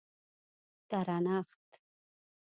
درنښت